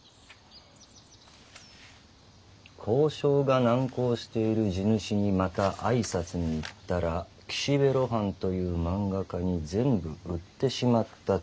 「交渉が難航している地主にまたあいさつに行ったら岸辺露伴という漫画家に全部売ってしまったという。